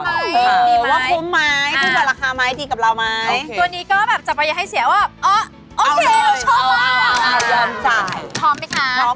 พร้อมไหมคะพร้อมค่ะ